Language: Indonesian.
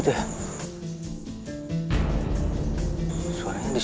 adiknya sudah lari ke klasanya